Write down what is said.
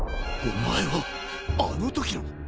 お前はあのときの。